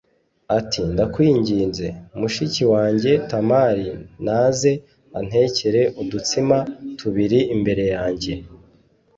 ati “Ndakwinginze, mushiki wanjye Tamari naze antekere udutsima tubiri imbere yanjye